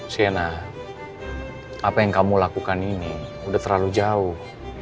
shena apa yang kamu lakukan ini udah terlalu jauh